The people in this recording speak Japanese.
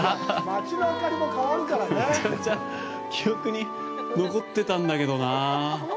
めっちゃめちゃ記憶に残ってたんだけどなあ。